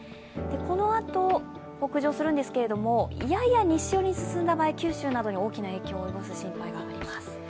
このあと北上するんですが、やや西寄りに進んだ場合、九州などに大きな影響を及ぼす心配があります。